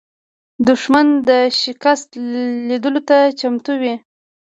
دښمن د شکست لیدلو ته چمتو وي